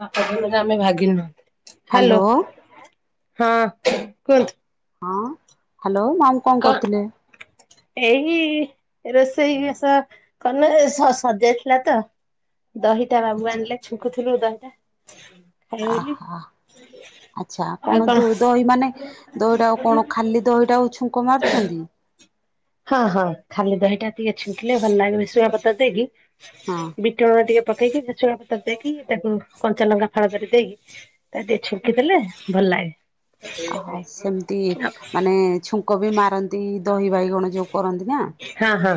[unintelligible] ଆମେ ଭାଗି ନୁହଁ। ହ୍ୟାଲୋ। ହଁ କୁହନ୍ତୁ। ହଁ ହ୍ୟାଲୋ ମାମ କଣ କରୁଥିଲେ? ଏଇ ଏ ରୋଷେଇ ଜିନିଷ କଣ ନା ସରିଯାଇଥିଲା ତ। ଦହିଟା ବାବୁ ଆଚ୍ଛା ଆଣିଲେ ଛୁଙ୍କୁଥିଲୁ ଦହିଟା ଖାଇବେ ଆହା ବୋଲି। ଆଚ୍ଛା କଣ ଦ ଦହି ମାନେ ଦହିଟା ଆଉ କଣ ଖାଲି ଦହିଟା ଆଉ ଛୁଙ୍କ ମାର ଛନ୍ତି ହଁ ହଁ ଖାଲି ଦହିଟା ଟିକେ ଛୁଙ୍କିଲେ ଭଲ ଲାଗେ ଭେରସୁଙ୍ଗ ପତ୍ର ଦେଇକି। ହଁ ବିଟ ଲୁଣ ଟିକେ ପକେଇକି ଭେରସୁଙ୍ଗା ପତ୍ର ଦେଇକି ତାକୁ କଞ୍ଚା ଲଙ୍କା ଫାଳ କରି ଦେଇକି ତା ଟିକେ ଛୁଙ୍କିଦଲେ ଭଲ ଲାଗେ। ଅହୋ ସେମିତି ମାନେ ଛୁ [unintelligible] ବି ମାରନ୍ତି ଦହି ବାଇଗଣ ଯୋଉ କରନ୍ତି ନା। ହଁ ହଁ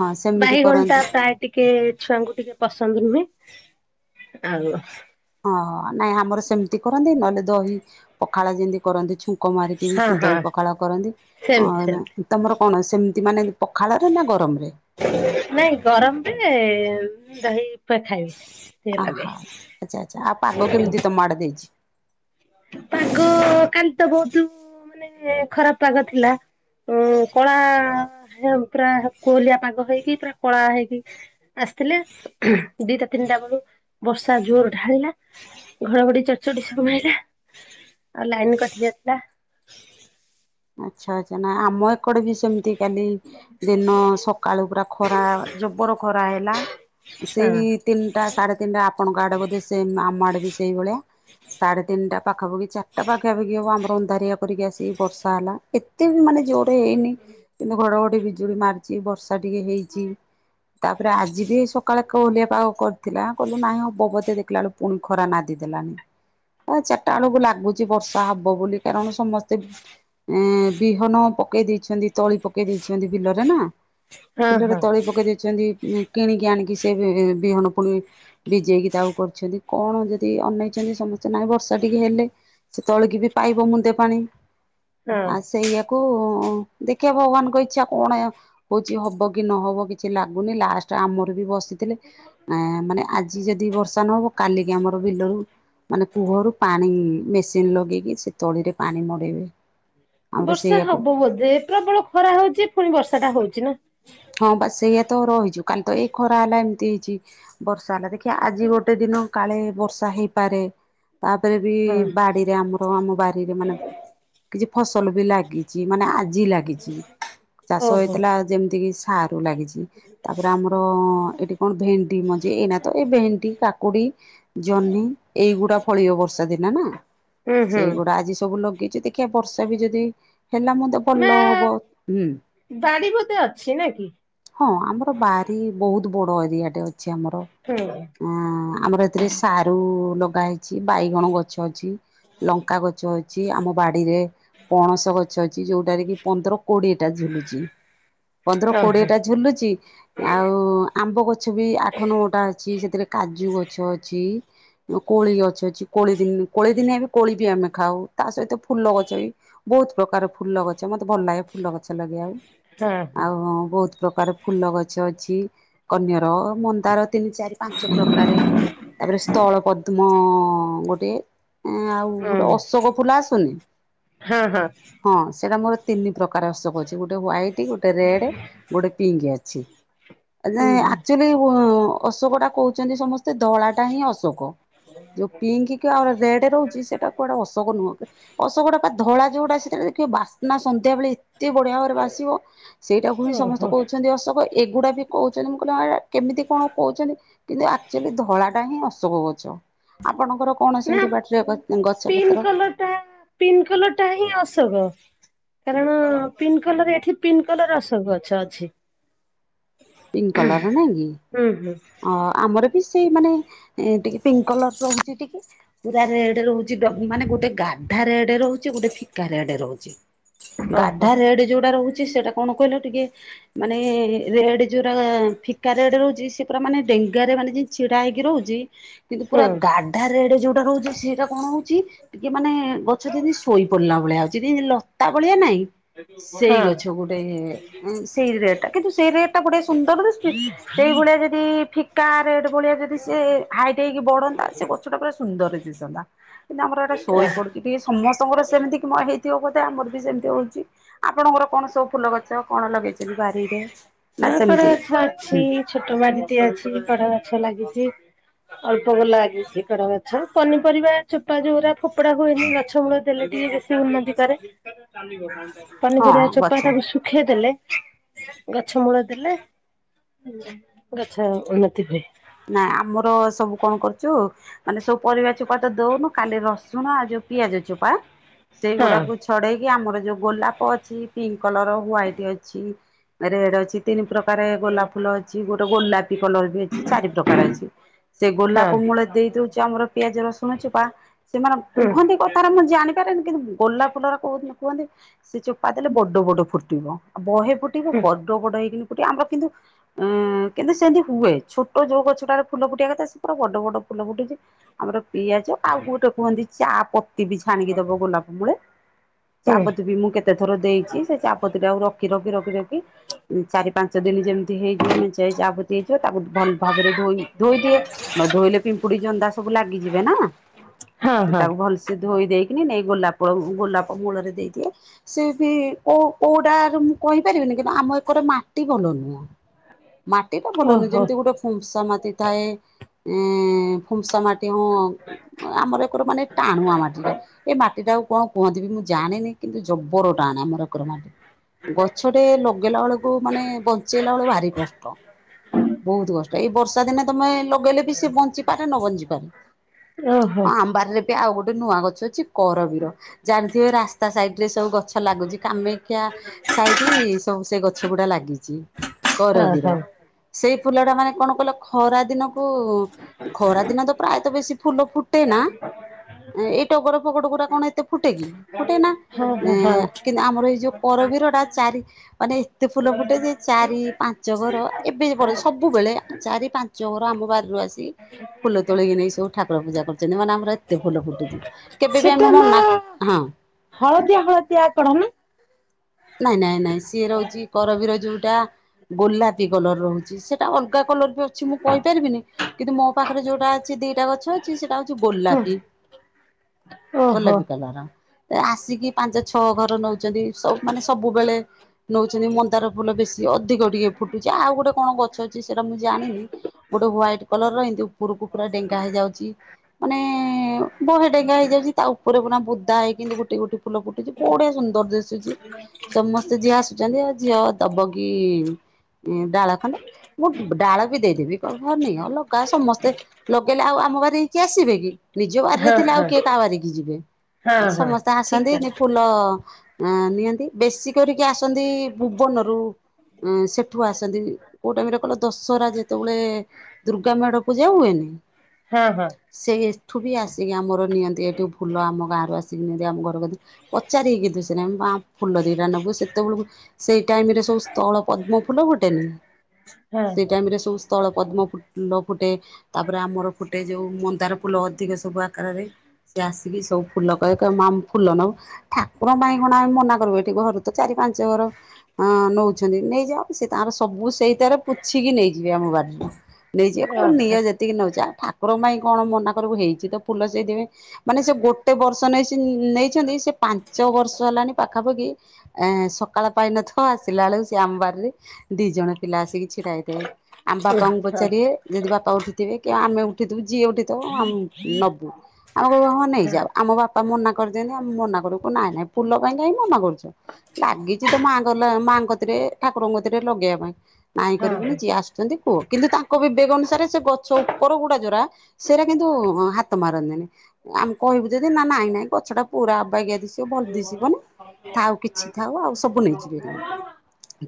ହଁ ସେମିତି ବାଇଗଣଟା କରନ୍ତି ପ୍ରାୟ ଟିକେ ଛୁଆଙ୍କୁ ଟିକେ ପସନ୍ଦ। ଆଉ ଓ ନାଇଁ ଆମର ସେମିତି କରନ୍ତି ନହେଲେ ଦହି ପଖାଳ ଯେମିତି କରନ୍ତି ଛୁଙ୍କ ମାରିକି ହଁ ବି ହଁ ଦହି ପଖାଳ କରନ୍ତି ସେମିତି ସେମିତି ତମର କଣ ସେମିତି ମାନେ ପଖାଳରେ ନା ଗରମରେ ନାଇଁ ଗରମରେ ଦହି ପା ଖାଇ। ଆହୋ ଆଚ୍ଛା ଆଚ୍ଛା ଆଉ ପାଗ କେମିତି ତମା ଆଡେ ଦେଇଛି? ପାଗ କାଲି ତ ବହୁତ ମାନେ ଖରାପ ପାଗ ଥିଲା। ଉଁ କଳା ପୁରା କୋହଲିଆ ପାଗ ହେଇକି ପୁରା କଳା ହେଇକି ଆସିଥିଲେ ଦିଟା ତିନିଟା ବେଳୁ ବର୍ଷା ଜୋର ଢାଳିଲା ଘଡଘଡି ଚଡ୍ଚଚଡି [unintelligible] ଆଉ ଲାଇନ କଟିଯାଇଥିଲା। ଆଚ୍ଛା ଆଛା ନାଁ ଆମ ଏକଡେ ବି ସେମିତି କାଲି ଦିନ ସକାଳୁ ପୁରା ଖରା ଜୋବର ଖରା ହେଲା। ହଁ ସେଇ ତିନିଟା ସାଢେ ତିନିଟା ଆପଣଙ୍କ ଆଡେ ବୋଧେ ସେମ୍ ଆମ ଆଡେ ବି ସେଇଭଳିଆ। ସାଢେ ତିନିଟା ପାଖାପାଖି ଚାର୍ ଟା ପାଖାପାଖି ହଵ ଆମର ଦାରିଆ କରିକି ଆସିକି ବର୍ଷା ହେଲା ଏତେ ବି ମାନେ ଜୋରରେ ହେଇନି କିନ୍ତୁ ଘଡଘ ବିଜୁଳି ମାରିଛି ବର୍ଷା ଟିକେ ହେଇଛି। ତାପରେ ଆଜି ବି ସକାଳେ କୋହଲିଆ ପାାଗ କରିଥିଲା କହିଲୁ ନାଇଁ ହଵ ଵୋଧେ ଦେଖିଲା ବେଳକୁ ପୁଣି ଖରା ନାଦିଲ ଚାରଟା ଆଳୁ ଗୁଲା ବର୍ଷା ହବ ବୋଲି କାରଣ ସମସ୍ତେ ଏଁ ବିହନ କଣ ପକେଇ ଦେଇଛନ୍ତି ତଳି ପକେଇ ଦେଇଛନ୍ତି ବିଲରେ ନା ହଁ ବିଲରେ ହଁ ତଳି ପକେଇ ଦେଇଛନ୍ତି କିଣିକି ଆଣିକି ସେ ବି-ଵିହନ ପୁଣି ଭଜେଇକି ତାକୁ କରିଛନ୍ତି କଣ ଯଦି ଅନେଇଛନ୍ତି ସମ ନାଇଁ ବର୍ଷା ଟିକେ ହେଲେ ସେ ତଳିକି ବି ପାଇବ ମୁନ୍ଦେ ପାଣି। ଆ ହଁ ସେଇଆକୁ ଦେଖିବା ଭଗବାନଙ୍କ ଇଚ୍ଛା କଣ ହଉଛି ହବ କି ନହବ କିଛି ଲାଗୁନି ଲାଷ୍ଟ ଆମର ବି ବସ୍ ଥିଲେ ଆ ମାନେ ଆଜି ଯଦି ବର୍ଷା ନହବ କାଲିକି ଆମର ବିଲରୁ ମାନେ କୁହରୁ ପାଣି ମେସିନ ଲଗେଇକି ସେ ତଳିରେ ପାଣି ମଡେଇବେ। ବର୍ଷା ହବ ବୋଧେ ପ୍ରବଳ ଖରା ହଉଛି ପୁଣି ବର୍ଷା ଟା ହଉଛି ନା। ହଁ ବା ସେଇଆ ତ ରହିଛୁ କାଲି ତ ଏଇ ଖରା ହେଲା ଏମିତି ହେଇଛି ବର୍ଷା ହେଲା ଦେଖିବା ଆଜି ଗୋଟେ ଦିନ କାଳେ ବର୍ଷା ହେଇପାରେ। ତାପରେ ବି ହଁ ବାଡିରେ ଆମର ଆମ ବାରିରେ ମାନେ କିଛି ଫସଲ ବି ଲାଗିଛି ମାନେ ଆଜି ଲାଗିଛି। ଚାଷ ଓହୋ ହେଇଥିଲା ଯେମିତି କି ସାରୁ ଲାଗିଛି ତାପରେ ଆମର ଏଠି କଣ ଭେଣ୍ଡି ମଞ୍ଜି ଏଇନା ତ ଏ ଭେଣ୍ଡି କାକୁଡ଼ି ଜହ୍ନି ଏଇଗୁଡା ଫଳିବ ବର୍ଷା ଦିନ ନା ହୁଁ ହୁଁ ସେଇଗୁଡା ଆଜି ସବୁ ଲଗେଇ ବର୍ଷା ବି ଯଦି ହେଲା ମତ ଭଲ ମା ହବ ହୁଁ। ବାଡି ବୋଧେ ଅଛି ନା କି? ହଁ ଆମର ବାରି ବହୁତ ବଡ ଏରିଆ ଟେ ଅଛ ଅଛି ଆମର ହୁଁ ଆ ଆମର ଏଥିରେ ସାରୁ ଲଗା ହେଇଛି ବାଇଗଣ ଗଛ ଅଛି ଲଙ୍କା ଗଛ ଅଛି ଆମ ବାଡିରେ ପଣସ ଗଛ ଅଛି ଯୋଉଟାାରେ କି ପନ୍ଦର କୋଡିଏ ଟା ଝୁଲୁଛି ପନ୍ଦର କୋ ଓହୋ କୋଡିଏଟା ଝୁଲୁଛି ଆଉ ଆମ୍ବ ଗଛ ବି ଆଠ ନଅଟା ଅଛି ସେଥିରେ କାଜୁ ଗଛ ଵଚି। କୋଳି ଗଛ ଅଛି କୋଳି ଦିନ କୋଳି ଦିନେ ଏବେ କୋଳି ବି ଆମେ ଖାଉ ତା ସହିତ ଫୁଲ ଗଛ ବି ବହୁତ ପ୍ରକାର ଫୁଲ ଗଛ ମୋତେ ଭଲ ଲାଗେ ଫୁଲ ଗଛ ଲଗେଇବା ଆଉ ଆଉ ହଁ ବହୁତ ପ୍ରକାର ଫୁଲ ଗଛ ଅଛି କନ୍ୟର ମନ୍ଦାର ତିନି ଚାରି ପାଞ୍ଚ ପ୍ରକାରେ ତାପରେ ସ୍ଥଳ ପଦ୍ମ ଗୋଟିଏ। ଆଉ ହୁଁ ଗୋଟେ ଅଶୋକ ଫୁଲ ଆସୁନି ହଁ ସେଇଟା ମୋର ତିନି ପ୍ରକାର ଅଶକ ଅଛି ଗୋଟେ ହ୍ଵାଇଟ୍ ଗୋଟେ ରେଡ୍ ଗୋଟେ ପିଙ୍କ୍ ଅଛି। ଉଁ ନାଇଁ ହୁଁ ଆକ୍ଚୁଆଲି ଅଶୋକ ଟା କହୁଛନ୍ତି ସମସ୍ତେ ଧଳାଟା ହିଁ ଅଶୋକ। ଯୋଉ ପିଙ୍କ୍ କି ଆ ରେଡ୍ ରହୁଛି ସେଟା କୁଆଡେ ଅଶୋକ ନୁହଁ ଅଶୋକ ଟା ପା ଧଳା ଯୋଉଡା ସେତେ ଦେଖିବ ବାସ୍ନା ସନ୍ଧ୍ୟା ବେଳେ ଏତେ ବଢିଆ ଭାବରେ ବାସିବ ସେଇଟାକୁ ହି ସମସ୍ତେ ଓହୋ କହୁଛନ୍ତି ଅଶୋକ ଏଗୁଡା ବି କହୁଛନ୍ତି ମୁଁ କହିଲି ହଁ ଏରା କେମିତି କଣ କହୁଛନ୍ତି କିନ୍ତୁ ଆକ୍ଚୁଆଲି ଧଳାଟା ହିଁ ଅଶୋକ ଗଛ ଆ ନା ପିଙ୍କ ପତ୍ର କଲର ଟା ପିଙ୍କ କଲର ଟା ହିଁ ଅଶୋକ। କାରଣ ପିଙ୍କ କଲର ଏଠି ପିଙ୍କ କଲର ଅଶୋକ ଗଛ ଅଛି। ପିଙ୍କ କଲର ର ନାଇଁ କି ହୁଁ ହୁଁ ଅଁ ଆମର ବି ସି ସେ ମାନେ ଏଁ ଟିକେ ପିଙ୍କ କଲର ରହୁଛି ଟିକେ ପୁରା ରେଡ ରହୁଛି ଦ ମାନେ ଗୋଟେ ଗାଢ଼ା। ଢା ରେଡେ ରହୁଛି ଗୋଟେ ଫିକା ରେଡେ ରହୁଛି। ଓହୋ ଗାଢା ରେଡ ଯୋଉଟା ରହୁଛି ସେଇଟା କଣ କହିଲ ଟିକେ ମାନେ ରେଡେ। ଯୋଉରାକ ଫିକା ରେଡେ ରହୁଛି ସେ ପୁରା ମାନେ ଡେଙ୍ଗାରେ ମାନେ ଜି ଛିଡା ହେଇକି ରହୁଛି କିନ୍ତୁ ହୁଁ ପୁରା ଗାଢା ରେଡ଼ ଯୋଉ ଟା ରହୁଛି ସେଇଟା କଣ ହଉଛି ଟିକେ ମାନେ ଗଛ ଯେମିତି ଶୋଇ ପଡିଲା ଭଳିଆ ହ ଚିରି ଲତା ଭଳିଆ ନାଇଁ। ସେଇ ହଁ ଗଛ ଗୋଟେ ଉଁ ସେଇ ରେଡଟା କିନ୍ତୁ ସେଇ ରେଡ। ଗୋଟେ ସୁନ୍ଦର ଦିଶୁଛି ସେଇଭଳିଆ ଯଦି ଫିକା ରେ ଭଳିଆ ଯଦି ସେ ହାଇଟ୍ ହେଇକି ବଢନ୍ତା ସେ ଗଛ ଟା ପୁରା ସୁନ୍ଦରରେ ଦିଶନ୍ତା କିନ୍ତୁ ଆମର ଏଇଟା ଶୋଇ ପଡ ଟିକେ ସମସ୍ତଙ୍କର ସେମିତି କି ମୋ ହେଇଥିବ ବଧେ ଅମାର ବି ସେମିତି ହଉଛି। ଆପଣଙ୍କର କଣ ସବୁ ଫୁଲ ଗଛ କଣ ଲଗେଇଛନ୍ତି ବାରିରେ? ନା ହଁ ସେମିତି ଫୁରଗଛ ଅଛି ହୁଁ ଛୋଟ ବାଡ଼ି ଟେ ଅଛି ବଡ ଗଛ ଲାଗିଛି। ଅଳ୍ପ ଗୋଲ ଲାଗିଛି କଡ ଗଛ ପନିପରିବା ଚୋପା ଯୋଉଗୁରା ଫୋପଡା ହୁଏନି ଗଛ ମୂଳ ଦେଲେ ଟି ଟିକେ ବେଶୀ ଉନ୍ନତି କରେ ହଁ ପନିପରିବା ଚୋପା ଗଛ। ତାକୁ ଶୁଖେଇଦଲେ। ଗଛ ମୂଳରେ ଦେଲେ ଗଛ ଉନ୍ନତି ହୁଏ। ନାଇଁ ଆମର ସବୁ କଣ କରୁଛୁ। ମାନେ ସବୁ ପରିବା ଚୋପା ତ ଦଉନୁ ଖାଲି ରସୁଣ ଆଉ ଯୋଉ ପିଆଜ ଚୋପା ହଁ ସେଇଗୁଡାକୁ ଛଡେଇ କି ଆମର ଯୋଉ ଗୋଲାପ ଅଛି ପିଙ୍କ କଲର, ହ୍ଵାଇଟ୍ ଅଛି, ରେଡ୍ ଅ ଅଛି ତିନି ପ୍ରକାରେ ଗୋଲାପ ଫୁଲ ଅଛି ଗୋଟେ ଗୋଲାପୀ କଲର ବି ଅଛି ଚାରି ପ୍ରକାର ଅଛି। ସେ ଗୋଲାପ ହଁ ମୂଳେ ଦେଇ ଦଉଛି ଆମର ପିଆଜ, ରସୁଣ ଚୁପା ସେମାନେ ହୁଁ କୁହନ୍ତି କଥାରେ ମୁଁ ଜାଣିପା [unintelligible] କିନ୍ତୁ ଗୋଲାପ ଫୁଲର କଉଦିନ। କୁହନ୍ତି ସେ ଚୋପା ଦେଲେ ବଡ ବଡ ଫୁଟିବ ଆଉ ବହେ ଫୁଟିବ ବଡ ବଡ ହେଇକି ଗୋଟେ ଆମ୍ୱ କିନ୍ତୁ ଅଁ କିନ୍ତୁ ସେମିତି ହୁଏ ଛୋ ଆଉ ଯୋଉ ଗଛଟାରେ ଫୁଲ ଫୁଟିବା କଥା ସେ ପୁରା ବଡ ବଡ ଫୁଲ ଫୁଟୁଛି। ଆମର ପିଆଜ ଆଉ ଗୁଟେ କୁହନ୍ତି, ଚା ପତି ବି ଛାଣିକି ଦବ ଗୋଲାପ ମୂଳେ। ହୁଁ ଚାପତି ବି ମୁଁ କେତେ ଥର ଦେଇଛି ସେ ଚାପତି ଟା ଆଉ ରଖି ରଖି ରଖି ରଖି। ଚାରି ପାଞ୍ଚ ଦିନି ଯେମିତି ହେଇଯିବ ମେଞ୍ଚାଏ ଚା ପତି ହେଇଯିବ ତାକୁ ଭଲ ଭାବରେ ଧୋଇ ଧୋଇ ଦିଏ ନ ଧୋଇଲେ ପିମ୍ପୁଡି ଜନ୍ଦା ସବୁ ଲାଗିଯିବେ ନା। ହଁ ସେ ହଁ ତାକୁ ଭଲସେ ଧୋଇ ଦେଇକିନି ନେଇ ଗୋଲାପ ଗୋଲାପ ମୂଳରେ ଦେଇଦିଏ ସେ ବି କଉ କଉଟା ର କହିପାରିବିନି କିନ୍ତୁ ଆମ ଏକର ମାଟି ଭଲ ନୁହ। [inaudible] ମାଟିଟା ଭଲ ନୁହେ ଓହୋ ଯେମିତି ଗୁଟେ। ମାତି ଥାଏ ଏଁ ଫୁମସା ମା ତେଣୁ ଆମର ଏକର ମାନେ ଟାଣୁଆ ମାଟି ଟା ଏ ମାଟି ଟା କଣ କୁହନ୍ତିି ବି ମୁଁ ଜାଣିନି କିନ୍ତୁ ଜବର ଟାଣେ ଆମର ଏକର ମାଟି। ଗଛ ଟେ ଲଗେଇଲା ବେଳକୁ ମାନେ ବଞ୍ଚେଇଲା ବେଳକୁ ଭାରି କଷ୍ଟ ବହୁତ କଶ ଏଇ ବର୍ଷା ଦିନେ ତମେ ଲଗେଇଲେ ବି ସେ ବଞ୍ଚିପାରେ ନ ବଞ୍ଚିପାରେ। ଓହୋ ହଁ ଆମ ବାରି ରେ ବି ଆଉ ଗୋଟେ ନୂଆ ଗଛ ଅଛି କରବୀର ଜାଣିଥିବେ ରାସ୍ତା ସାଇଡ ରେ ସବୁ ଗ ଛ ଲାଗୁଛି କାମେଖିଆ ସାଇଟି ସବୁ ସେ ଗଛ ଗୁଡା ଲାଗିଚି। ହଁ କରବିର ହଁ ସେଇ ଫୁଲ ଟା ମାନେ କଣ କହିଲ ଖରା ଦିନକୁ ଖରା ଦିନ ତ ପ୍ରାୟତଃ ବେଶୀ ଫୁଲ ଫୁଟେ ନା। ଏଇ ଟଗର ଫଗଡ ଗୁଡା କଣ ଏତେ ଫୁଟେ କି ଫୁଟେନା। ହଁ ହଁ ହଁ ଏଁ କିନ୍ତୁ ଆମର ଏଇ ଯୋଉ କରବୀର ଟା ଚାରି ମାନେ, ଏତେ ଫୁଲ ଫୁଟେ ଯେ ଚାରି ପାଞ୍ଚ ପାଞ୍ଚ ଘର ଏବେ ପ ସବୁବେଳେ ଚାରି, ପାଞ୍ଚ ଘର ଆମ ବାରି ରୁ ଆସି ଫୁଲ ତୋଳକି ନେଇ ସବୁ ଠାକୁର ପୂଜା କରୁଛନ୍ତି। ମାନେ ଆମର ଏତେ ଫୁଲ ଫୁଟୁଛି କେବେ ବି ସେଟା ଆମେ ମା ମନା ହଁ। ହଳଦିଆ ହଳଦିଆ କଢ ନା? ନାଇଁ, ନାଇଁ, ନାଇଁ ସିଏ ରହୁଛି କରବୀର ଯୋଉଟା ଗୋଲାପି କଲର ରହୁଛି। ସେଇଟା ଅଲଗା କଲର ବି ଅଛି। ମୁଁ କହିପାରିବିନି, କିନ୍ତୁ ମୋ ପାଖରେ ଯୋଉଟା ଦିଟା ଗଛ ଅଛି, ସେଟା ହଉଛି ହଁ ଗୋଲାପୀ, ଓହୋ ଗୋଲାପୀ କଲର। ଆସିକି ପାଞ୍ଚ, ଛଅ ଘର ନଉଛନ୍ତି। ସବୁ ମାନେ, ସବୁବେଳେ ନେଉଛନ୍ତି ମନ୍ଦାର ଫୁଲ, ବେଶୀ ଅଧିକ ଟିକେ ଫୁଟୁଛି। ଆଉ ଗୋଟେ କଣ ଗଛ ଅଛି, ସେଟା ମୁଁ ଜାଣିନି, ଗୋଟେ ହ୍ୱା କଲର ର ଏମିତି ଉପରକୁ ପୁରା ଡେଙ୍ଗା ହେଇଯାଉଛି। ମାନେ, ବହେ ଡେଙ୍ଗା ହେଇଯାଉଛି ତା ଉପରେ ପୁରା ବୁଦା ହେଇକି ଏଣି ଗୋଟେ ଗୋଟେ ଫୁଲ ଫୁଟୁଛି, ବଢ଼ିଆ ସୁନ୍ଦର ଦିଶୁଛି। ସମସ୍ତେ ଯିଏ ଆସୁ ଛନ୍ତି ଆଉ ଝିଅ ଦବକି ଡାଳ ଖଣ୍ଡେ? ମୁଁ ଡାଳ ବି ଦେଇଦେବି ହଁ, ନିଅ ଲଗାଅ ସମସ୍ତେ ଲଗେଇଲେ ଆଉ ଆମ ଘରେ ହେଇକି କିଏ ଆସିବେ କି? ନିଜ ବାରିରେ ହଁ ଥିଲେ ଆଉ ହଁ କିଏ କାହା ବାରିକି ଯିବେ? ହଁ ଏ ହଁ ସମସ୍ତେ ଠିକ ଆସନ୍ତି କଥା ଏମିତି ଫୁଲ ଆ ନିଅନ୍ତି ବେଶୀ କରିକି ଆସନ୍ତି ଭୁବନରୁ ସେଠୁ ଆସନ୍ତି। କୋଉ ଟାଇମ ରେ କହିଲ? ଦଶହରା ଯେତେବେଳେ ଦୁର୍ଗା ମେଢ ପୂଜା ହୁଏନି। ହଁ, ହଁ। ଠୁ ବି ଆସିକି ଆମର ନିଅନ୍ତି, ଏଇଠୁ ଫୁଲ ଆମ ଗାଁ ରୁ ଆସିକି ନିଅନ୍ତି। ଆମ ଘରକତି ପଚାରିକି କିନ୍ତୁ ସେନା ମା ଫୁଲ ଦିଟା ନେବୁ, ସେତେବେଳକୁ, ସେଇ ଟାଇମ୍ ରେ ସବୁ ସ୍ଥଳ ପଦ୍ମ ଫୁଲ ଫୁଟେନି। ହଁ ସେଇ ଟାଇମ୍ ରେ ସବୁ ସ୍ଥଳ ପଦ୍ମପୁତ ଫୁଲ ଫୁଟେ, ତାପରେ ଆମର ଫୁଟେ ଯୋଉ ମନ୍ଦାର ଫୁଲ ଅଧିକ ସବୁ ଆକାରରେ। ସେ ଆସିକି ସବୁ ଫୁଲ କହିବେ କ ମା ଫୁଲ ନବୁ ଠାକୁର ପାଇ କଣ ଆମେ ମନା ଠିକ ଘରୁ ତ ଚାରି ପାଞ୍ଚ ଘର ଆଁ ନେଉଛନ୍ତି ନେଇଯାଉ ସେ ତାଙ୍କର ସବୁ ସେଇତରେ ପୋଛି କି ନେଇଯିବେ ଆମ ବାଡିରୁ ନେଇଯିବେ କଣ ଓହୋ ନିଆ ଯେତିକି ନଉଛ ଆଉ ଠାକୁର ପାଇଁ କଣ ମନା କରିବ ହେଇଛି ତ ଫୁଲ ସେଇଦେ ମାନେ ସେ ଗୋଟେ ବର୍ଷ ନେଇସ ନେଇଛନ୍ତି ସେ ପାଞ୍ଚ ଦ ବର୍ଷ ହେଲାଣି ପାଖାପାଖି ଏ ସକାଳ ପାଇନଥିବ ଆସିଲା ଆଳକୁ ସେ ଆମ ବାରିରେ ଦି ଜଣ ପିଲା ଆସିକି ଛିଡା ହେଇଥିଏ ଆମ ବାପାଙ୍କୁ ହଁ ହଁ ପଚାରିଏ ଯଦି ବାପା ଉଠିଥିବେ କି ଆମେ ଉଠିଥିବୁ ଯିଏ ଉଠିଥିବ ଆମ ନବୁ ଆମେ କହିବୁ ହଁ ନେଇଯାଅ ଆମ ବାପା ବା ମନା କରିଦେନ୍ତି ଆମେ ମନା କରୁ ନାଇଁ ନାଇଁ ଫୁଲ ପାଇଁ କାଇଁ ମନା କରୁ ଚ ଲାଗିଚି ତ ମାଙ୍କ ନ ମାଙ୍କ କତିରେ। ଠାକୁରଙ୍କ କତିରେ ଲଗେଇବା ପାଇଁ ନାହିଁ ହଁ କରିବୁନି ଯିଏ ଆସୁଛନ୍ତି କୁହ କିନ୍ତୁ ତାଙ୍କ ବିବେକ ଅନୁସାରେ ସେ ଗଛ ଉପ ଉପରଗୁଡା ଯୋରା ସେଇରା କିନ୍ତୁ ହାତ ମାରନ୍ତେନି ଆମେ କହିବୁ ଯଦି ନା ନାଇଁ-ନାଇଁ ଗଛଟା ପୁରା ଅବାଗିଆ ଦିଶିବ ଭଲ ଦିଶିବନି ଥାଉ କିଛି ଥାଉ ଆଉ ସବୁ ନେଇଯିବେ।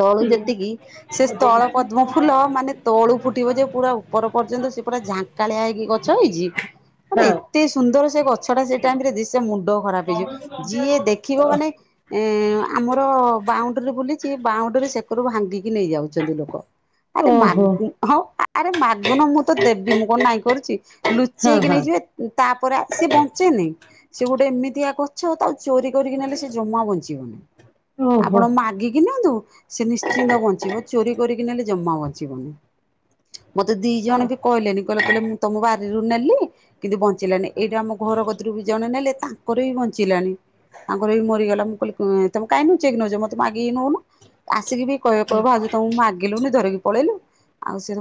ତଳୁ ଯେତିକି ସେ ସ୍ଥଳ ପଦ୍ମ ଫୁଲ ମାନେ ତଳୁ ଫୁଟିବ ଯେ ପୁରା ଉପର ପର୍ଯ୍ୟ ନ୍ତ, ସେ ପରା ଝାଙ୍କାଳିଆ ହେଇକି ଗଛ ହେଇଛି। ମାନେ ହଁ ହଁ ଏତେ ସୁନ୍ଦର ସେ ଗଛ ଟା ସେ ଟାଇମ ରେ ସେ ମୁଣ୍ଡ ଖରାପ ହେଇଯିବ ଯିଏ ଦେଖ ଖିବ ମାନେ ଏଁ ଆମର ବାଉଣ୍ଡ୍ରି ବୁଲି ବାଉଣ୍ଡ୍ରି ରେ ସେକରୁ ଭାଙ୍ଗିକି ନେଇ ଯାଉଛନ୍ତି ଲୋକ ଆରେ ଓହୋ ମାଗି ହଁ ଆରେ ମାଗୁନ ମୁଁ ତ ଦେବି ମୁଁ କଣ ନାଇଁ କରୁଛି ହଁ ଲୁଚେଇକି ହଁ ଓହୋ ନେଇଯିବେ ତା ପରେ ସିଏ ବଞ୍ଚେନି ସେ ଗୋଟେ ଏମିତିଆ ଗଛ ତା ଚୋରି କରିକି ନେଲେ ସେ ଜମା ବଞ୍ଚିବନି। ଆପଣ ହଁ ମାଗିକି ନିଅନ୍ତୁ ସେ ନିଶ୍ଚିନ୍ତ ବଞ୍ଚିବ ଚୋରି କରିକି ନେଲେ ଜମା ବଞ୍ଚିବନି ମତେ ଦି ଜଣ ବି କହିଲେନି କହିଲେ-କହିଲେ ମୁଁ ତମ ବା ରୁ ନେଲି କିନ୍ତୁ ବଞ୍ଚିଲାନି ଏଇଟା ଆମ ଘର କଦିରୁ ବି ଜଣେ ନେଲେ ତାଙ୍କର ବି ବଞ୍ଚିଲାନି। ତାଙ୍କର ବି ମରିଗଲା ମୁଁ ତମେ କାହିଁ ନୁଚେକ ନଉଛ ମୋତେ ମାଗିକି ନଉନ, ଆ ଆସିକି ବି କହିବ। କହିବ ଆାଉ ତମକୁଁ ମାଗିଲୁନି ଧରିକି ପଳେଇଲୁ। ଆଉ ସେଏ ତ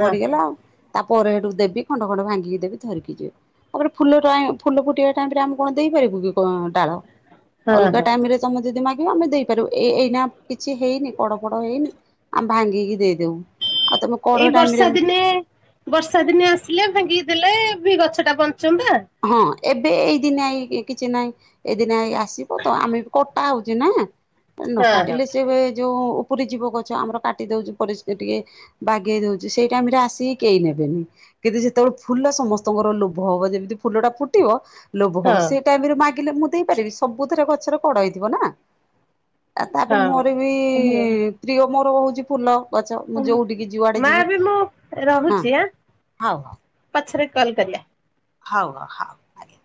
ହଁ ଆଉ ତା ପରେ ସେଠୁ ଦେବି ଖଣ୍ଡ ଖଣ୍ଡ ଭାଙ୍ଗିକି ଦେବି ଧରିକି ଯିବେ, ତାପ ଫଲ ଟାଇମ ଫୁଲ ଫୁଟିବା ଟାଇମରେ ଆମେ କଣ ଦେଇପାରିବୁ? [unintelligible] ଡାଳ ହଁ ଅଲଗା ହଁ ଟାଇମ ରେ ତମେ ଯଦି ମାଗି ବ ଆମେ ଦେଇପାରୁୁ ଏ ଏଇନା କିଛି ହେଇନି କଡ ପଡ ହେଇନି ଆମେ ଭାଙ୍ଗିକି ଦେଇଦଉ। ଏଇ ବର୍ଷା ଦିନେ ବର୍ଷା ଦିନେ ଆସିଲେ ଭାଙ୍ଗି ଦେଲେ ବି ଗଛ ଟା ବଞ୍ଚ ଚମ୍ବା ହଁ ଏବେ ଏଇ ଦିନେ ଆଇ କିଛି ନାହିଁ ଏଇ ଦିନ ଆଇ ଆସିବ ତ ଆମେ କଟା ହଉଛି ନା। ନ ହଁ କାଟିଲେ ସେବେ ଯୋଉ ଉପୁରି ଯିବ ଗଛ ଆମର କାଟି ଦଉଛି ପରିସ୍ଥିତି ଟିକେ ବାଗେଇ ଦଉଛି ସେଇ ଟାଇମ ରେ ଆସିକି କେହି ନେବେ ନି କିନ୍ତୁ ଯେତେବେଳେ ଫୁଲ ସମସ୍ତଙ୍କର ଲୋଭ ହବ ଯେମିତି ଫୁଲ ଟା ଫୁଟିବ ଲୋଭ ହବ ହଁ ସେଇ ଟାଇମରେ ମାଗିଲେ ମୁଁ ଦେଇପାରିବି ସବୁଥିରେ କ ରେ କଡ ହେଇଥିବ ନା ତାପରେ ହଁ ମୋର ବି ପ୍ରିଅ। ମୋର ହଉଚି ଫୁଲ। ଗଛ ଓ ମୁଁ ହୋ ଯୋଉଠିକି ଯୁଆଡେ ମା ଯିବି ଏବେ ମୁଁ ହଁ ରହୁଚି ଆଁ ହଉ ହଉ ପଛରେ କଲ କରିଆ। ହଉ ହଉ ଆଜ୍ଞା।